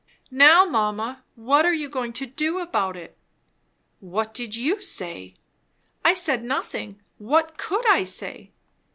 "Now mamma, what are you going to do about it?" "What did you say?" "I said nothing. What could I say?"